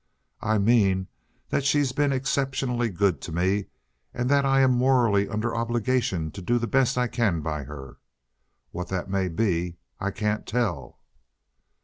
"I mean that she's been exceptionally good to me, and that I'm morally under obligations to do the best I can by her. What that may be, I can't tell."